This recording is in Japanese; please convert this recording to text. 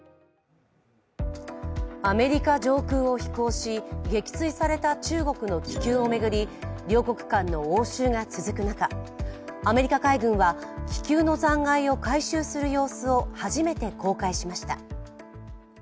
アメリカ上空を飛行し、撃墜された中国の気球を巡り両国間の応酬が続く中、アメリカ海軍は気球の残骸を回収する様子を初めて公開しました。